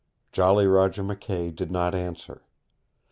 Jolly Roger McKay did not answer.